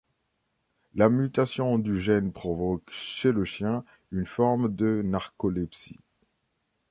La mutation du gène provoque, chez le chien, une forme de narcolepsie.